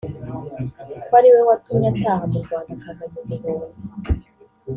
ko ari we watumye ataha mu Rwanda akava mu buhunzi